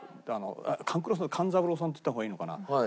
勘九郎さん勘三郎さんって言った方がいいのかな。